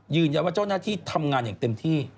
ว่าเจ้าหน้าที่ทำงานอย่างเต็มที่